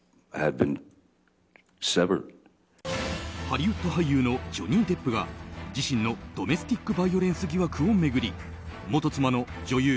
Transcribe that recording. ハリウッド俳優のジョニー・デップが自身のドメスティックバイオレンス疑惑を巡り元妻の女優